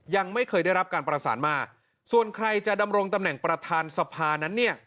ยังไม่เคยได้รับการประสานมาส่วนใครจะดำรงตำแหน่งประธานสภานั้นเนี่ย